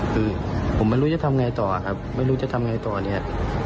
คือผมไม่รู้จะทำไงต่อครับไม่รู้จะทำไงต่อเนี่ย